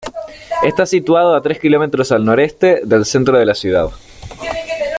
Está situado a tres kilómetros del noroeste del centro de la ciudad.